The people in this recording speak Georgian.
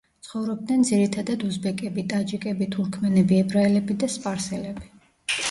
ცხოვრობდნენ ძირითადად უზბეკები, ტაჯიკები, თურქმენები, ებრაელები და სპარსელები.